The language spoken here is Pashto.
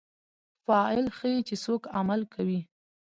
فاعل ښيي، چي څوک عمل کوي.